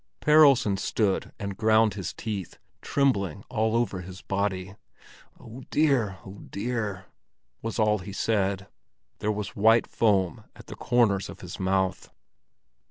Per Olsen stood and ground his teeth, trembling all over his body. "Oh dear, oh dear!" was all he said. There was white foam at the corners of his mouth.